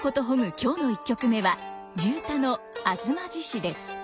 今日の１曲目は地唄の「吾妻獅子」です。